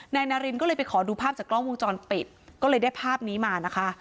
นายนารินก็เลยไปขอดูภาพจากกล้องวงจรปิดก็เลยได้ภาพนี้มานะคะ